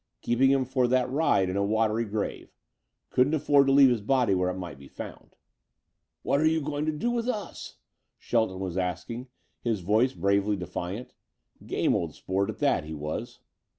Keeping him for that ride and a watery grave. Couldn't afford to leave his body around where it might be found. "What are you going to do with us?" Shelton was asking, his voice bravely defiant. Game old sport at that, he was.